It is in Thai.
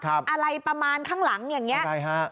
อะไรประมาณข้างหลังอย่างนี้ใช่ฮะ